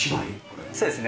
そうですね。